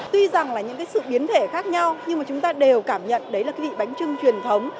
tuy rằng là những cái sự biến thể khác nhau nhưng mà chúng ta đều cảm nhận đấy là cái vị bánh trưng truyền thống